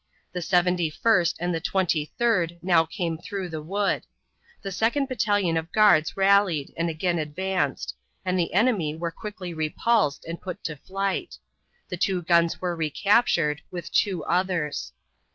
The Seventy first and the Twenty third now came through the wood. The second battalion of guards rallied and again advanced, and the enemy were quickly repulsed and put to flight. The two guns were recaptured, with two others.